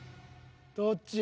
どっち？